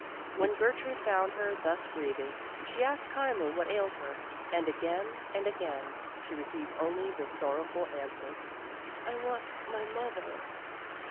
When Gertrude found her thus grieving, she asked kindly what ailed her, and again and again, she received only this sorrowful answer, "I want my mother."